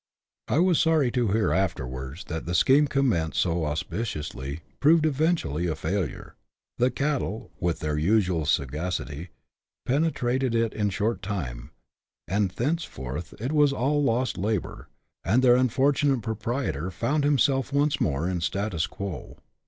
I was Sony to hear afiervards that the scheme eommeneed so auspicioQ^, prored eventnallj a £dfaire ; the cattle, with their Qsoal sagacity, penetrated it in a shcHt time, and thencdbrth it was all lost labour, and their unfiif t an ate pnoprietar fixmd him self once m<H« in Miatu quo.